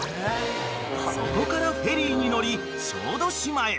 ［そこからフェリーに乗り小豆島へ］